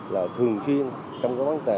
là thường xuyên trong các vấn đề